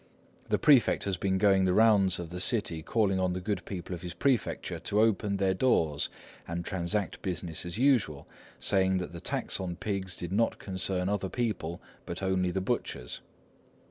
The prefect has been going the rounds of the city calling on the good people of his prefecture to open their shops and transact business as usual, saying that the tax on pigs did not concern other people, but only the butchers."